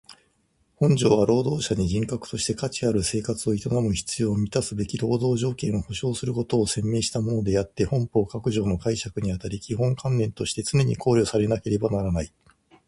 本条は労働者に人格として価値ある生活を営む必要を充すべき労働条件を保障することを宣明したものであつて本法各条の解釈にあたり基本観念として常に考慮されなければならない。